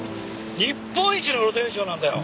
日本一の露天商なんだよ。